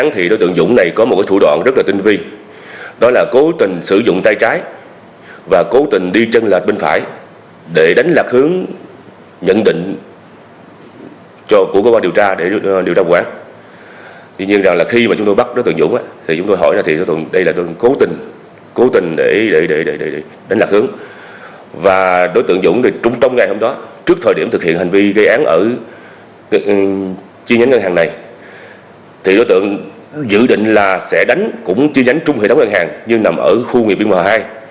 thì đối tượng dự định là sẽ đánh cũng chi nhánh trung hệ thống ngân hàng nhưng nằm ở khu nghị biên hòa hai